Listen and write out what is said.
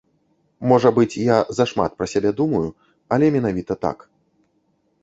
Можа быць, я зашмат пра сябе думаю, але менавіта так.